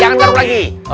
jangan garuk lagi